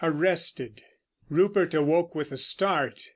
ARRESTED. Rupert awoke with a start.